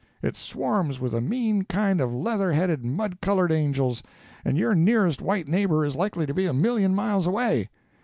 It swarms with a mean kind of leather headed mud colored angels—and your nearest white neighbor is likely to be a million miles away.